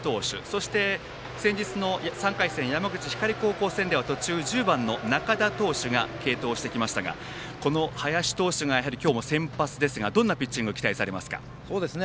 そして、先日の３回戦山口・光高校戦では途中、１０番の中田投手が継投してきましたがこの林投手が今日も先発ですがどんなピッチングを期待されますか？